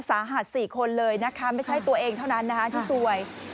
สาหัส๔คนเลยนะคะไม่ใช่ตัวเองเท่านั้นนะคะที่ซวย